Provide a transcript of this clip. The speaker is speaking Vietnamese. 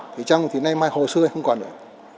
thế chăng thì nay mai hồ sơ không còn nữa